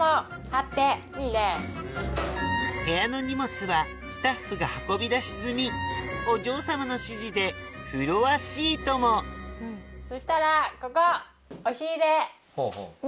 部屋の荷物はスタッフが運び出し済みお嬢様の指示でフロアシートもそしたらここ。